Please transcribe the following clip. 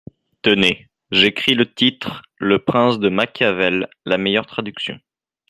Tenez, j’écris le titre : le Prince , de Machiavel, la meilleure traduction.